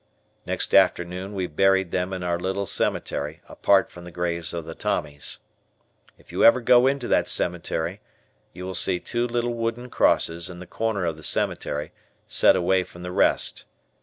Next afternoon we buried them in our little cemetery apart from the graves of the Tommies. If you ever go into that cemetery you will see two little wooden crosses in the corner of the cemetery set away from the rest.